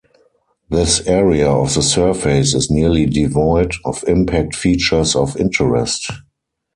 This area of the surface is nearly devoid of impact features of interest.